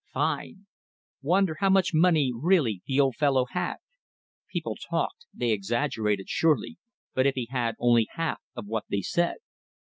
Fine! Wonder how much money really the old fellow had. People talked they exaggerated surely, but if he had only half of what they said